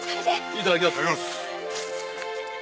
いただきます。